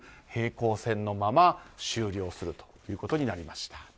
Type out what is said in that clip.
平行線のまま終了するということになりました。